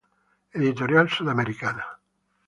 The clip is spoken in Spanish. Editorial Sudamericana.